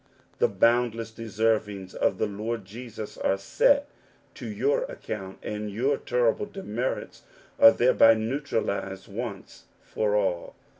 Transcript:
Ti^ boundless deservings of the Lord Jesus are 5 to your account, and your terrible demerits a thereby neutralized once for all.